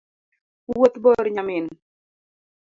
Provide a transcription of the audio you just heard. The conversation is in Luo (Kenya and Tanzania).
Wuoth bor nyamin